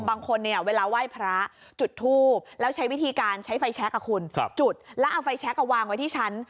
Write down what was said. บางคนเนี่ยเวลาไหว้พระจุดทูบแล้วใช้วิธีการใช้ไฟแช็คคุณจุดแล้วเอาไฟแชควางไว้ที่ชั้น